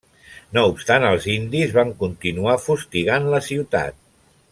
No obstant els indis van continuar fustigant la ciutat.